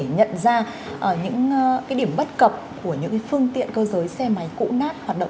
nhất là khi nhiều người không chăm sóc